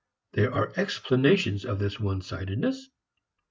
There are explanations of this onesidedness.